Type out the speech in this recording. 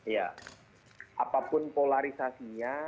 ya apapun polarisasinya